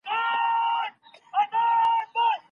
مشهور قبایل اپریدي